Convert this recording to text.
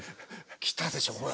きたでしょほら。